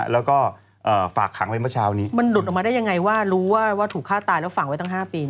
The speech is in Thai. แล้วฝั่งไว้ตั้ง๕ปี